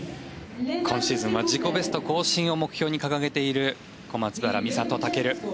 今シーズンは自己ベスト更新を目標に掲げている小松原美里、尊。